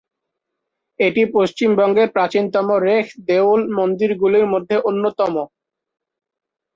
এটি পশ্চিমবঙ্গের প্রাচীনতম রেখ-দেউল মন্দিরগুলির মধ্যে অন্যতম।